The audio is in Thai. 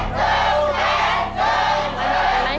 ถูกแสนถูกแสนถูกแสน